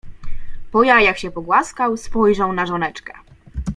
Po jajach się pogłaskał, spojrzał na żoneczkę: